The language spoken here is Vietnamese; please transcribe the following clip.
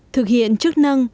thực hiện trước năm